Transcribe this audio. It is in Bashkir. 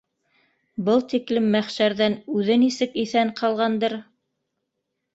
Был тиклем мәхшәрҙән үҙе нисек иҫән ҡалғандыр?